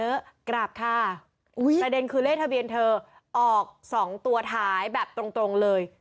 กลางกราบท่าประเด็นคือเลขทะเบียนเธอออก๒ตัวท้ายแบบตรงเลย